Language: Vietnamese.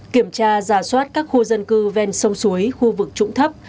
kiểm tra giả soát các khu dân cư ven sông suối khu vực trụng thấp